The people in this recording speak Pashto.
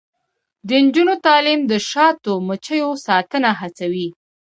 د نجونو تعلیم د شاتو مچیو ساتنه هڅوي.